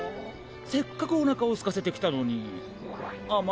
せっかくおなかをすかせてきたのにあまいものは？